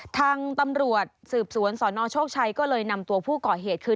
ทางตำรวจสืบสวนสนโชคชัยก็เลยนำตัวผู้ก่อเหตุคือ